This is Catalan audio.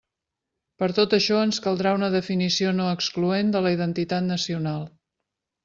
Per tot això ens caldrà una definició no excloent de la identitat nacional.